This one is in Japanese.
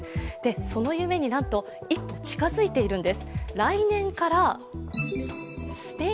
その夢に、なんと一歩近づいているんです。